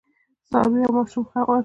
څاروي او ماشوم هم وي.